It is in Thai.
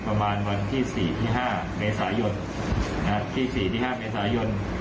ประมาณวันที่๔ที่๕เมษายนที่๔ที่๕เมษายน